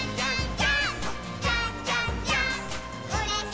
ジャンプ！！